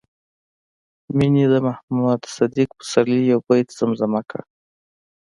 مينې د محمد صديق پسرلي يو بيت زمزمه کړ